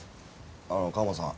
あのカモさん。